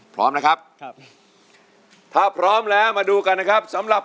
พร้อมนะครับถ้าพร้อมแล้วมาดูกันนะครับ